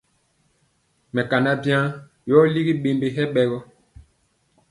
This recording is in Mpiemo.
Mɛkana byen yɔ ligi ɓembe hɛ ɓɛ gɔ.